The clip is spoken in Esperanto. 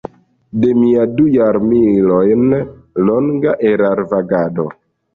De mia du jarmilojn longa erarvagado.